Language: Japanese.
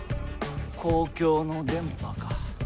公共の電波か。